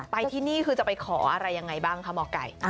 ที่นี่คือจะไปขออะไรยังไงบ้างคะหมอไก่